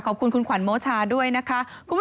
ขอบคุณคุณขวัญโมชาด้วยนะคะ